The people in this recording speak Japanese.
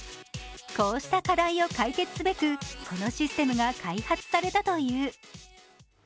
こうした課題を解決すべく、このシステムが開発されたという。